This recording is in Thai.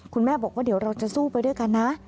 คุณแม่บอกว่าเดี๋ยวเราจะสู้ไปด้วยกันนะ